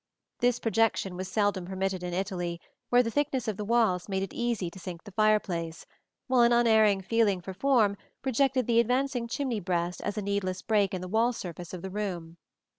This projection was seldom permitted in Italy, where the thickness of the walls made it easy to sink the fireplace, while an unerring feeling for form rejected the advancing chimney breast as a needless break in the wall surface of the room.